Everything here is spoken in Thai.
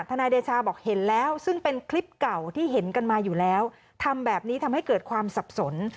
นายเดชาบอกเห็นแล้วซึ่งเป็นคลิปเก่าที่เห็นกันมาอยู่แล้วทำแบบนี้ทำให้เกิดความสับสน